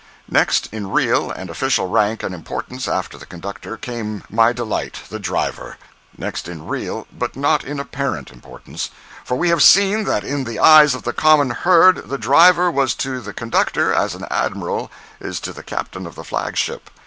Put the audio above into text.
Next in real and official rank and importance, after the conductor, came my delight, the driver—next in real but not in apparent importance—for we have seen that in the eyes of the common herd the driver was to the conductor as an admiral is to the captain of the flag ship.